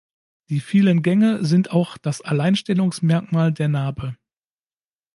Die vielen Gänge sind auch das Alleinstellungsmerkmal der Nabe.